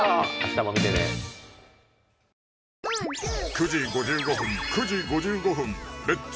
９時５５分９時５５分「レッツ！